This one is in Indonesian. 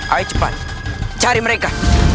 ayo cepat cari mereka